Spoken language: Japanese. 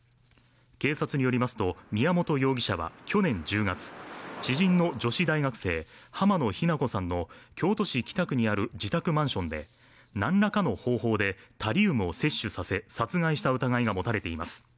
警察によりますと、宮本容疑者は去年１０月知人の女子大学生、濱野日菜子さんの京都市北区にある自宅マンションで何らかの方法でタリウムを摂取させ殺害した疑いが持たれています。